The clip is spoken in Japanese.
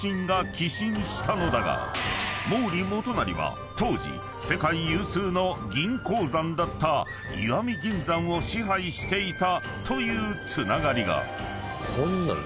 ［毛利元就は当時世界有数の銀鉱山だった石見銀山を支配していたというつながりが］